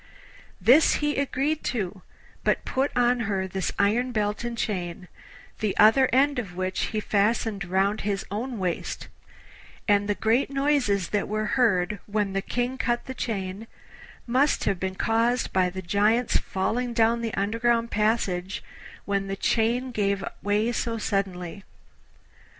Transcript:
This he agreed to, but put on her this iron belt and chain, the other end of which he fastened round his own waist, and the great noises that were heard when the King cut the chain must have been caused by the Giant's falling down the underground passage when the chain gave way so suddenly.